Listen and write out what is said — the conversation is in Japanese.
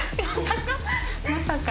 まさか。